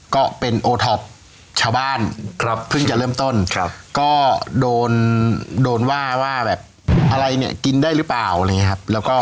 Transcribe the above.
ก็เป็นโอท็อปชาวบ้านเพิ่งจะเริ่มต้นก็โดนว่าว่าแบบอะไรเนี่ยกินได้หรือเปล่าแล้วก็